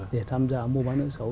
để tham gia mua bán nợ xấu